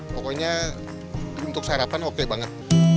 pokoknya untuk sarapan oke banget